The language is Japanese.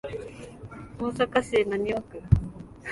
大阪市浪速区